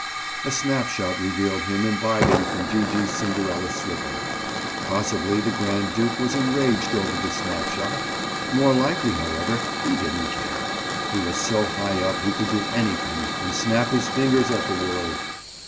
A snapshot revealed him imbibing from Gee gee's Cinderella slipper. Possibly the grand duke was enraged over the snap shot. More likely, however, he didn't care; he was so high up he could do anything and snap his fingers at the world.